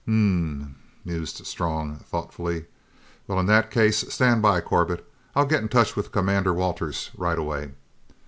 "Ummmmh," mused Strong thoughtfully. "Well, in that case, stand by, Corbett. I'll get in touch with Commander Walters right away."